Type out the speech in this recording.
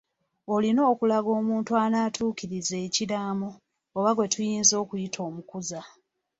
Olina okulaga omuntu anaatuukiririza ekiraamo. Oba gwe tuyinza okuyita omukuza.